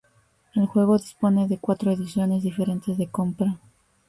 El juego dispone de cuatro ediciones diferentes de compra.